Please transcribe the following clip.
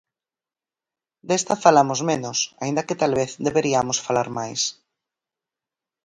Desta falamos menos, aínda que talvez deberiamos falar máis.